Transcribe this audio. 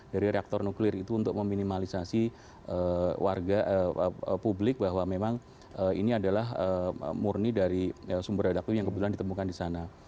dari reaktor nuklir itu untuk meminimalisasi warga publik bahwa memang ini adalah murni dari sumber redaksi yang kebetulan ditemukan di sana